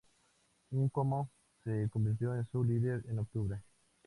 Nkomo se convirtió en su líder en octubre.